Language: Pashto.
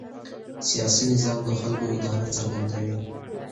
سیاسي نظام د خلکو اراده څرګندوي